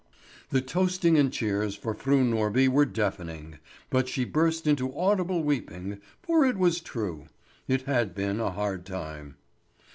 The toasting and cheers for Fru Norby were deafening; but she burst into audible weeping, for it was true. It had been a hard time.